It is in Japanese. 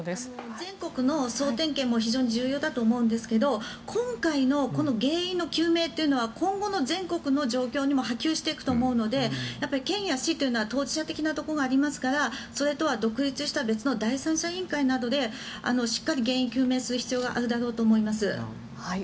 全国の総点検も非常に必要だと思いますが今回のこの原因の究明というのは今後の全国の状況にも波及していくと思うので県や市というのは当事者的なところがありますからそれとは独立した別の第三者委員会などでしっかり原因究明する必要があるだろうと思います。